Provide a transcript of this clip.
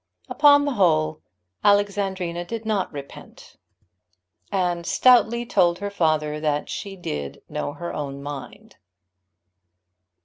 Upon the whole Alexandrina did not repent, and stoutly told her father that she did know her own mind.